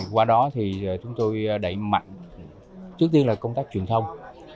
qua đó thì chúng tôi đẩy mạnh trước tiên là công tác truyền thông